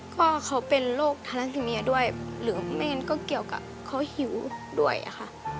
พ่อเขาเป็นโรคทาราซิเมียด้วยหรือไม่งั้นก็เกี่ยวกับเขาหิวด้วยค่ะ